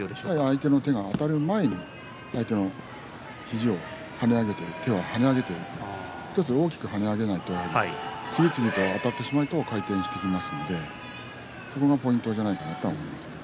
相手の手があたる前に相手の肘を、手を跳ね上げて１つ大きく跳ね上げないと次々とあたってしまうと回転してきますので、そこがポイントじゃないかと思います。